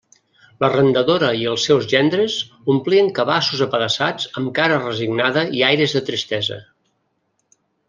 L'arrendadora i els seus gendres omplien cabassos apedaçats amb cara resignada i aires de tristesa.